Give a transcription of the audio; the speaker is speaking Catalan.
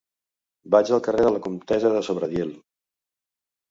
Vaig al carrer de la Comtessa de Sobradiel.